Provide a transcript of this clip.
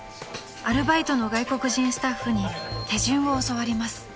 ［アルバイトの外国人スタッフに手順を教わります］